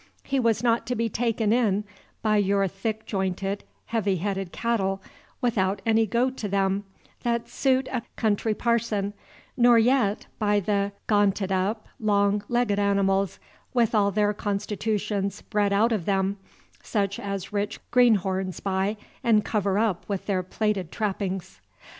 He was not to be taken in by your thick jointed, heavy headed cattle, without any go to them, that suit a country parson, nor yet by the "gaanted up," long legged animals, with all their constitutions bred out of them, such as rich greenhorns buy and cover up with their plated trappings.